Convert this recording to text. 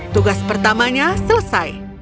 tugas pertamanya selesai